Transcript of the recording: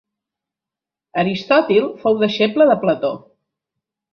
Aristòtil fou deixeble de Plató.